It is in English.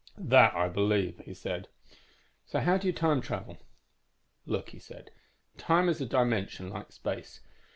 "'That I believe,' he said. "'So how do you time travel?' "'Look,' he said, 'time is a dimension like space.